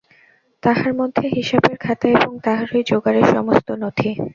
তাহার মধ্যে হিসাবের খাতা এবং তাহারই জোগাড়ের সমস্ত নথি।